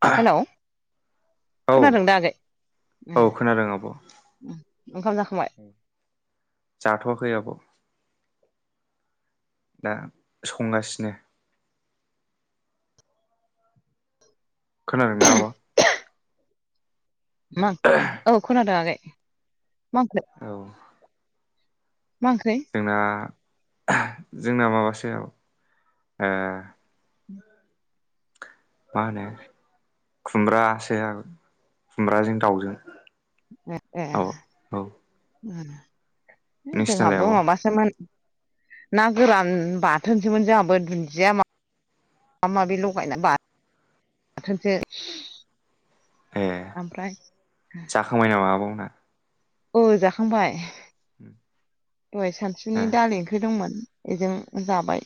औ हेल', खोनादों दा आगै? औ खोनादों आब' उम, ओंखाम जाखांबाय? खै आब'। दा संगासिनो। खोनादोंना आब'? मा औ खोनादों आगै। मा ओंख्रै? औ जोंना जोंना माबा सो औ ओ [inaudible] मा होनो खुमब्रासो खुमब्राजों दाउजों। ए ए आब' औ नोंसिनालाय जोंहाबो उम आब' माबासोमोन ना गोरान बाथोनसोमोन जोंहाबो दुनजिया मा माबा माबि लगायना बा थोनसो। ए जाखांबाय नामा आब' मोनहा? औ जाखांबाय दहाय ए सानसुनि दालि ओंख्रि दंमोन। इजों जाबाय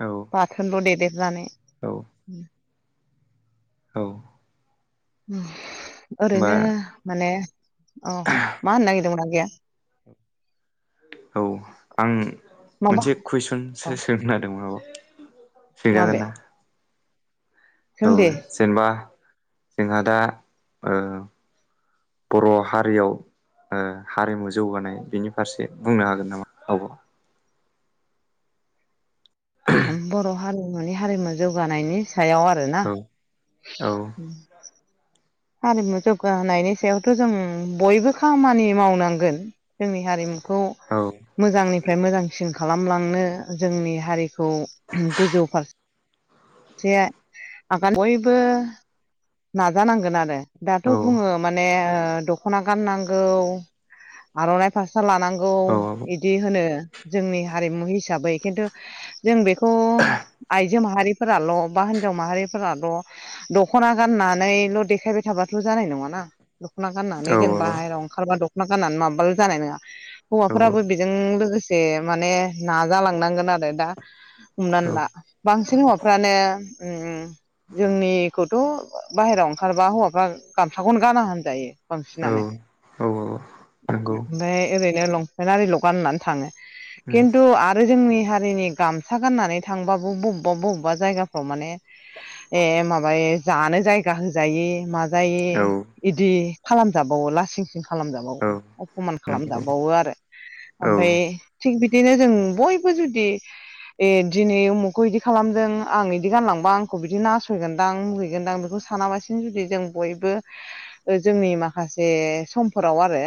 औ बाथोनल' देदेर नानै। औ औ उम ओरैनो माने औ मा होननो नागिरदोंमोन आं गैया औ आं माबा मोनसे अ कुइसनसो सोंनो नागिरदोंमोन आब' माबे सोंजागोन ना? जों औ दे जेनेबा जोंहा दा औ बर' हारियाव ओ हारिमु जौगानाय बिनि फारसे बुंनो हागोन नामा आब'? बर' हारिमुनि हारिमु जौगानायनि सायाव आरो ना औ औ उम। हारिमु जौगाहोनायनि सायावथ' जों बयबो खामानि मावनांगोन। जोंनि हारिमुखौ औ मोजांनिफ्राय मोजांसिन खालामलांनो जोंनि हारिखौ गोजौ फार से आगान बयबो नाजानांगोन आरो। दाथ' बुङो माने ओ दख'ना गाननांगौ आर'नाइ फार सा लानांगौ औ आब' औ इदि होनो। जोंनि हारिमु हिसाबै किन्थु जों बेखौ आइजो माहारिफोराल' बा होन जाव माहारिफोराल' दख'ना गाननानैल' देखायबाय थाबाथ' जानाय नङाना। दख'ना गाननानै जों आब' बाहेरायाव ओंखारबा दख'ना गाननानै माबाबाल' जानाय नङा। औ हौवाफोराबो बेजों लोगोसे माने नाजालांनांगोन आरो दा हमनानै ला बांसिन हौवाफ्रानो ओम जोंनिखौथ' बाहेराव ओंखारबा हौवा गामसाखौनो गाना होनजायो बांसिनानो। ओमफाय ओरै नो लंपेेन आरिल' गाननानै थाङो किन्थु आरो जोंनि हारिनि गामसा गाननानै थांबाबो बबेबा बबेबा जायगाफ्राव माने ए माबायो जानो जायगा होजायै मा जायै इदि खालामजाबावो लासिं सिं खालामजाबावो अपमान खालामजाबावो आरो ओमफाय थिग बि दिनो जों बयबो जुदि ए दिनै उमुखखौ बिदि खालामदों आं इदि गानलांबा आंखौ बिदि नासयगोनदां मुगैगोनदां बेखौ सानाबासिनो जुदि जों बयबो जोंनि माखासे सम फोराव आरो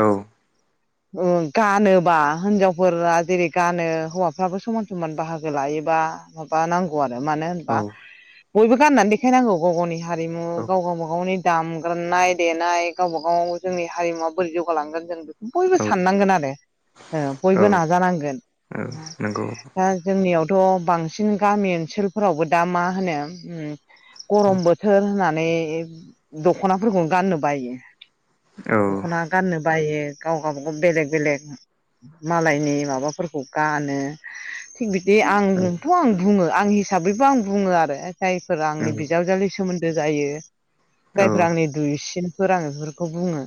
औ ओं गानोबा हिनजावफोरा जेरै गानो हौवाफ्राबो समान समान बाहागो लायोबा माबा नांगौ आरो मानो होनबा औ बयबो गाननानै देखायनांगौ गाव गावनि हारिमु गाव गावबा गावनि दामग्रोमनाय देनाय गावबा गाव जोंनि हारिमुवा बोरै जौगालांगोन जों बे बयबो साननांगोन आरो। ओ बयबो नाजानांगोन। आब' नंगौ दा जोंनियाव थ' बांसिन गामि ओनसोलफोरावबो दा मा होनो गरम उम बोथोर होननानै माने दख'ना फोरखौनो गान्नो बायो औ दख'ना गान्नो बायो गाव गबागाव बेलेग बेलेग मालायनि माबाफोरखौ गानो थिग बिदि आंथ' आं बुङो आं हिसाबैबो आं बुङो आरो जायफोरा आंनि औ नंगौ बिजावजालि सोमोन्दो जायो औ जायफोरा आंनि दुइसिन फोर आरो बेफोरखौ बुङो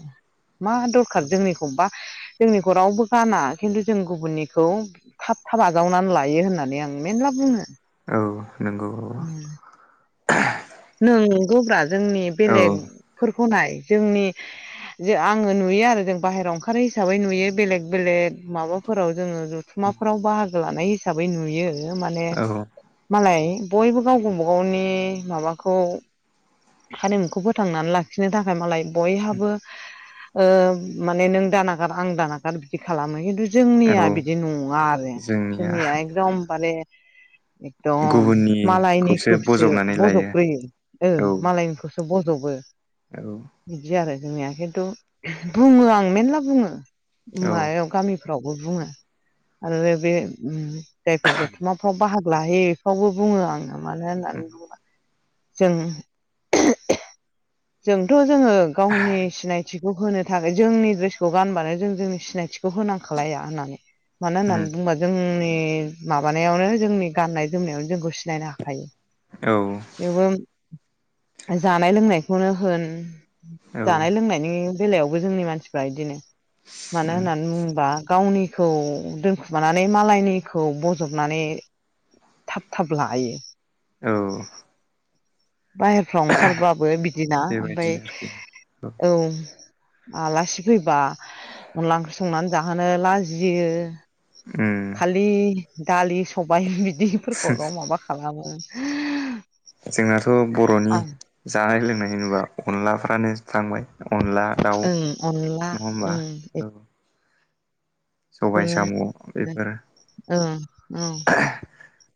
मा दरखार जोंनिखौ बा जोंनिखौ रावबो गाना खिन्थु जों गुबुननिखौ थाब थाब आजावनानै लायो होननानै आं मेरला बुङो औ औ नंगौ औ नंगौब्रा जोंनि औ नंगौ औ बेलेगफोरखौ नाय जोंनि जे आङो नुयो आरो जों बाहेरायाव ओंखारो हिसाबै नुयो बेलेग बेलेग माबाफोराव जोङो जथुमाफोराव बाहागो लानाय हिसाबै नुयो माने औ मालाय बयबो गाव गावबागावनि माबाखौ हारिमुखौ फोथांनानै लाखिनो थाखाय मालाय बयहाबो माने नों दानागार आं दानागार बिदि खालामो खिन्थु औ जोंनिया बिदि नङा आरो जोंनिया एकदमबारे एकदम गुबुननिखौसो मालायनिखौसो बजबनानै लायो बज'बग्रोयो औ खौसो बज'बो औ बिदि आरो जोंनिया खिन्थु बुङो आं मेरला बुङो औ मायाव गामि फोरावबो बुङो आरो बे जायफोर जथुम्माफ्राव बाहागो लायो बेखौबो बुङो आङो मानो उम होननानै बुङोबा जों [unintelligible] जोंथ' जोङो गावनि सिनायथिखौ होनो थाखाय जोंनि द्रेसखौ गानबानो जों जोंनि सिनायथिखौ हो होनां खालाया होननानै मानो होननानै बुंबा जोंनि माबानायावनो जोंनि गाननाय जोमनायावनो जोंखौ सिनायनो हाखायो औ थेवबो जानाय लोंनायखौनो होन जानाय लोंनायनि बेलायावबो जोंनि मानसिफ्रा बिदिनो मानो उम होननानै बुङोबा गावनिखौ दोनखुमानानै मालायनिखौ बजबनानै थाब थाब लायो औ बाहेरफ्राव ओंखारबाबो बिदिना ओमफ्राय बेबायदिनो आरोखि औ आलासि फैबा अनला ओंख्रि संनानै जाहोनो लाजियो उम खालि दालि सबाय बिदिफोरखौल' माबा खालामो [unintelligible] जोंनाथ' बर'नि आं जानाय लोंनाय होनोब्ला अनलाफ्रानो थांबाय अनला दाउ ओं अनला नङा होमबा औ ओ सबाय साम' बेफोर ओं औ।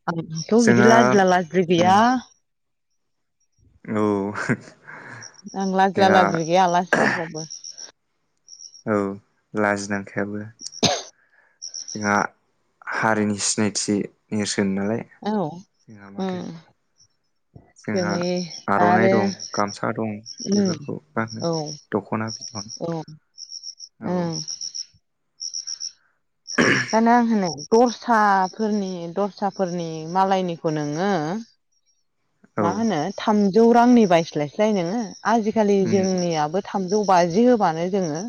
आंथ' बिदि जोंहा लाजिला लाजिलि उम गैया। औ आं लाजिला जोंहा लाजिलि गैया आलासि फैबाबो। औ लाजिनांखायाबो। [inaudible] जोंहा हारिनि सिनायथि नेरसोन न नालाय औ जोंहा माथो उम [inaudible] जोंहा आर'नाइ आरो दं गामसा दं उम बेफोरखौ गान औ दख'ना बिथन ओं। ओंखायनो आं होनो दस्राफोरनि दस्राफोरनि मालायनिखौ नोङो औ मा होनो थामजौ रांनि बायस्लायस्लाय नोङो आजिखालि उम जोंनियाबो था थामजौ बाजि होबानो जोङो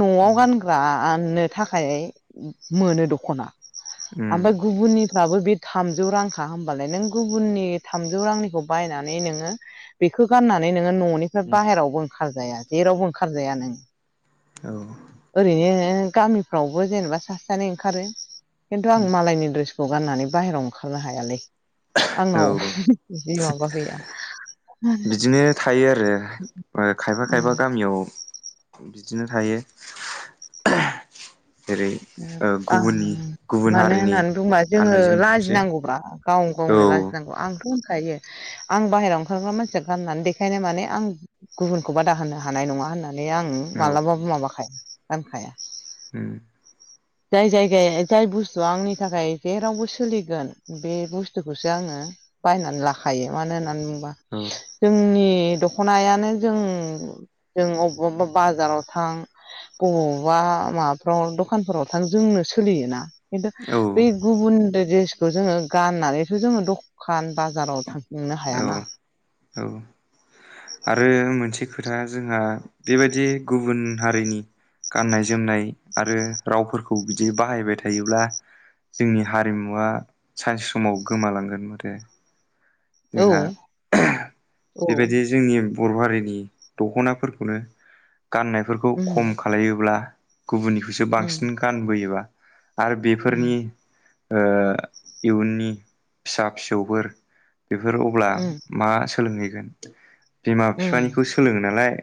न'आव उम गानग्रा गाननो थाखाय मोनो दखना उम ओमफ्राय गुबुननि दाबो बे थामजौ रांखा होमबालाय नों गुबुननि थामजौ जौ रांनिखौ बायनानै नोङो बेखौ गाननानै नोङो न'निफ्राय बाहेरायावबो ओंखारजाया। जेरावबो ओंखारजाया नों औ ओरैनो गामिफ्रावबो जेनेबा सासे सानै ओंखारो खिन्थु आं मालायनि दुस गाननानै बाहेरायाव ओंखारनो हायालै औ आंनाव जि माबा गैया। बिदिनो थायो आरो ओ खायफा खायफा गामियाव बिदिनो थायो। जेरै ओ गुबुननि गुबुन मानो हारिनि होननानै बुंबा जोङो गाननाय जोमनायखौसो लाजिनांगौब्रा गाव औ गावनो लाजिनांगौ आं बुंखायो आं बाहेरायाव ओंखारग्रा मानसिया गाननानै देखायनो माने आं गुबुनखौ बादा होनो हानाय नाय नङा होननानै आं औ मालाबाबो माबाखाया गानखाया। उम। जाय जायगाया जाय बुस्थुआ आंनि थाखाय जेरावबो सोलिगोन बे बुस्थुखौसो आं बायनानै लाखायो मानो होननानै बुंबा औ जोंनि बे दखनायानो जों जों अबबा अबबा बाजाराव थां गवा मा दखानफोराव थां जोंनो सोलियोना ओखायनोथ बै गुबुन दो जेसखौ जोङो गाननानैथ' जोङो दखान बाजाराव थांनो औ हायाना? औ। आरो मोनसे खोथा जोंहा बेबायदि गुबुन हारिनि गाननाय जोमनाय आरो रावफोरखौ बिदि बाहायबाय थायोब्ला जोंनि हारिमुवा सानसे समाव गोमालांगोन माथो? औ जोंहा औ बेबायदि जोंनि बर' हारिनि दख'नाफोरखौनो गाननायफोरखौ उम खम खालायोब्ला गुबुननिखौसो उम बांसिन गानबोयोबा। आरो उम बेफोरनि ओ इयुननि फिसा फिसौफोर बेफोर अब्ला मा सोलोंहैगोन? बिमा उम बिफानिखौ सोलोङो नालाय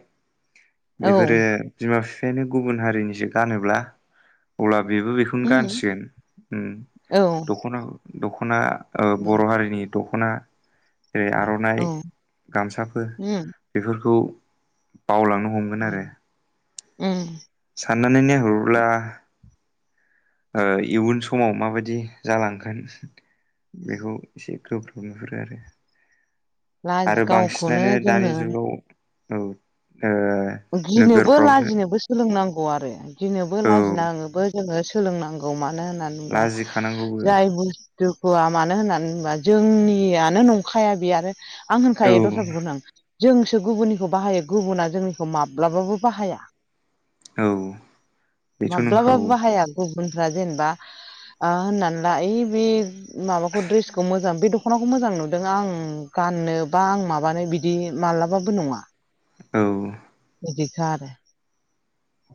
औ बेफोरो बिमा बिफायानो गुबुन हारिनिसो गानोब्ला अब्ला बेबो बेखौनो उम गानसिगोन उम औ दखना दख'ना ओ औ बर' हारिनि दख'ना जेरै आर'नाइ उम गामसाफोर बेफोरखौ बावलांनो हमगोन आरो। उम उम। साननानै नायहरब्ला ओ इयुन समाव माबायदि जालांगोन बेखौ एसे गोब्राब नुहुरो आरो लाजि आरो गावखौनो बांसिनानो दानि जोङो जुगाव औ। गिनोबो नोगोरफ्रावसो लाजिनोबो सोलोंनांगौ आरो गिनोबो औ लाजिनाङोबो जोङो सोलोंनांगौ मानो होननानै बुंबा लाजिखानांगौबो जाय बुु दुखुआ मानो होननानै होनोबा जोंनियानो नंखाया बे आरो आं होनखायो औ दस्राखौनो आं जोंसो गुबुननिखौ बाहायो गुबुना जोंनि माब्लाबाबो बाहाया औ बेथ' माब्लाबाबो नंखागौ बाहाया। जेनेबा ओ होननानै ला ओइ बे माबाखौ द्रेसखौ मोजां बे थ ' दखनाखौ मोजां नुदों आं गाननो बा आं माबानो बिदि मालाबाबो नङा। औ। बिदिखा आरो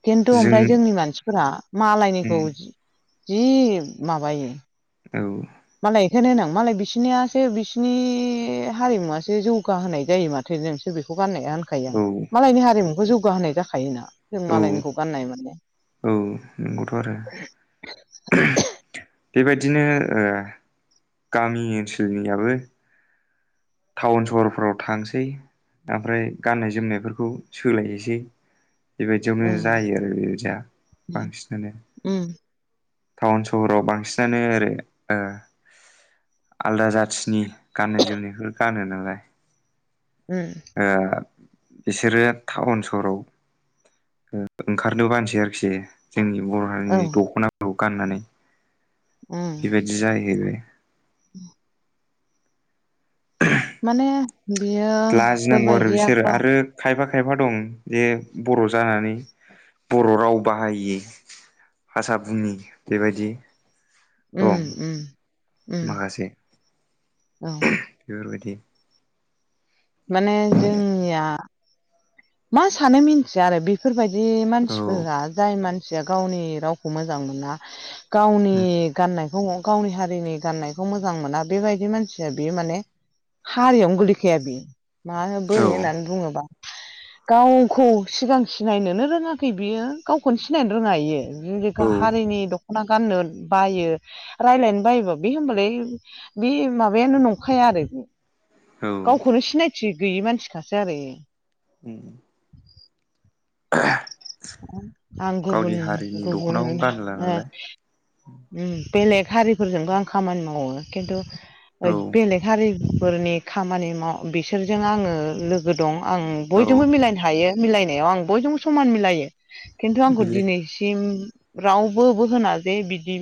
खिन्थु जों ओमफ्राय जोंनि मानसिफोरा मालायनिखौ उम जि माबायो। औ। मालाय होनोनां मालाय बिसोरनियासो बिसोरनि हारिमुवासो जौगाहोनाय जायो माथो। जोंसो बेखौ गाननाया होनखायो आं औ मालायनि हारिमुखौ जौगाहोनाय जाखायोना। जों मालायनिखौ गाननाय माने। उम नंगौथ' आरो। बेबायदिनो ओ गामि ओनसोलनियाबो टाउन सहरफोराव थांसै। ओमफ्राय गाननाय जोमनायफोरखौ सोलायनोसै। बेबायदियावनो जायो आरो बेबायदिया बांसिनानो। टाउन सहराव बांसिनानो आरो ओ आलदा जाथिनि गाननाय जोमनायखो गानो नालाय। ओ बिसोरो टाउन सहराव ओंखारनो बानोसै आरोखि। जोंनि बर' औ हारिनि दख'नाफोरखौ गाननानै बेबायदि जाहैबाय। [unintelligible] माने लाजिनांगौ आरो बियोफोरबायदिया बिसोर आरो खायफा खायफा दं जे बर' जानानै बर' राव बाहायै भासा बुंयि बेबायदि। औ दं माखासे औ बेफोरबायदि। माने जोंनिया मा सानो मिनथिया आरो बेफोरबायदि औ मानसिफोरा जाय मान सिया गावनि रावखौ मोजां मोना गावनि गाननायखौ गावनि हारिनि गाननायखौ मोजां मोना बेबायदि मानसिया बियो माने हारियावनो गोलैखाया बियो मा होन औ बोरै होननानै बुङोबा गावखौ सिगां सिनायनोनो रोङाखै बियो गावखौनो सिनायनो रोङा इयो। जों जे औ हारिनि द ख'ना गाननो बायो रायलायनो बायोबा बे होमबालाय बे माबायानो नंखाया आरोबि औ गावखौनो सिनायथि गैयि मानसिखासो आरो इ उम [unintelligible] आं गुबुन गावनि हारिनि गुबुन दख'नाखौनो गानला ओ नालाय उम। बेलेग हारिफोरजोंबो आं खामानि मावो किन्थु ओय औ बेलेग हारि फोरनि खामानि माव बिसोरजों आङो लोगो दं आं औ बयजोंबो मिलायनो हायो। मिलायनायाव आं बयजोंबो समान मिलायो खिन्थु आंखौ बिले दिनैसिम रावबोबो होना जे बिदि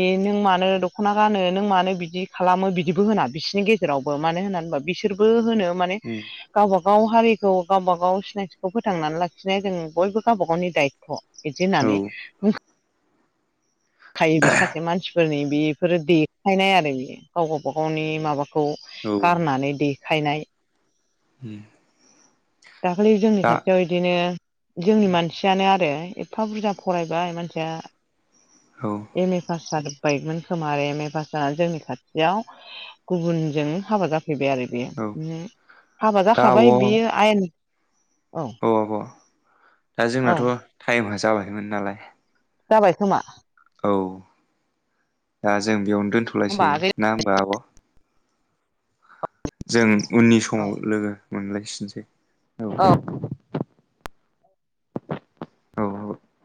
ए नों मानो दख'ना गानो नों मानो बिदि खा लामो बिदिबो होना बिसोरनि गेजेरावबो मानो होननानै होनबा बिसोरबो होनो माने गावबा गाव हारिखौ गावबा गाव सिनायथिखौ फोथांनानै लाखिनाय जों बयबो गावबा गावनि दायथ' बिदि औ होननानै बुं खायो बे सासे मानसिफोरनि बेफोरो देखायनाय आरो बेयो गाव गावबा गावनि माबा खौ गारनानै देखायनाय। उम दाखालि जोंनि खाथियाव इदिनो जोंनि मानसियानो आरो एफा बुरजा फरायबाय मानसिया औ एम ए पास जादों। बाइकमोन खोमा आरो एम ए पास जानानै जोंनि खाथियाव गुबुनजों हाबा जा फैबाय आरो बेयो हाबा दा आब' जाखाबाय औ बियो आयेन औ आब' दा औ जोंनाथ' टाइमआ जाबायमोन नालाय। जाबाय खोमा औ दा जों बेयावनो होमबा दोनथ'लायसै आगै ना होमबा आब'? जों उननि औ समाव लोगो मोनलायफिनसै। औ औ औ